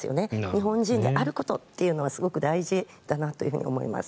日本人であることっていうのはすごく大事だなと思います。